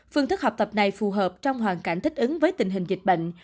phương thức học tập này phù hợp trong hoàn cảnh thích ứng với tình hình dịch bệnh